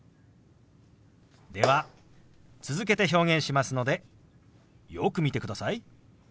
では続けて表現しますのでよく見てください。